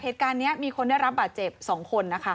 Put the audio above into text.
เหตุการณ์นี้มีคนได้รับบาดเจ็บ๒คนนะคะ